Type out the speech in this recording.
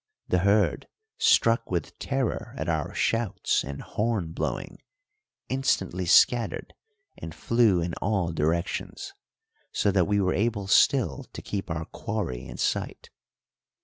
The herd, struck with terror at our shouts and horn blowing, instantly scattered and flew in all directions, so that we were able still to keep our quarry in sight.